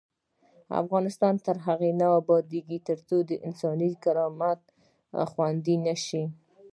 افغانستان تر هغو نه ابادیږي، ترڅو انساني کرامت خوندي نشي.